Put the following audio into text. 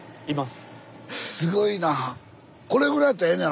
すごいな。